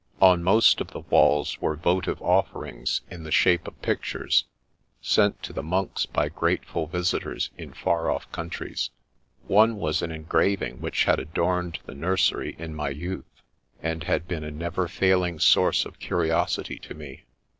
On most of the walls were votive offerings in the shape of pictures, sent to the monks by grateful visitors in far off countries. One was an engrav ing which had adorned the nursery in my youth, and had been a never failing source of curiosity to me.